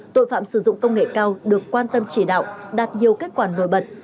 tội phạm sử dụng công nghệ cao được quan tâm chỉ đạo đạt nhiều kết quả nổi bật